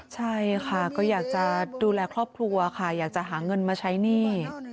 ใช่ค่ะก็อยากจะดูแลครอบครัวค่ะอยากจะหาเงินมาใช้หนี้